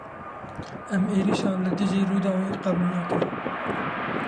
Em êrişa li dijî Rûdawê qebûl nakin.